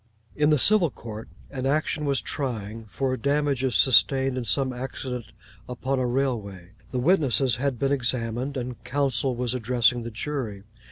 In the civil court an action was trying, for damages sustained in some accident upon a railway. The witnesses had been examined, and counsel was addressing the jury.